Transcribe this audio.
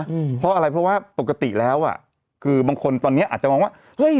อืมเพราะอะไรเพราะว่าปกติแล้วอ่ะคือบางคนตอนเนี้ยอาจจะมองว่าเฮ้ย